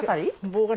棒が。